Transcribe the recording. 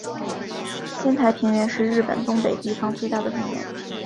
仙台平原是日本东北地方最大的平原。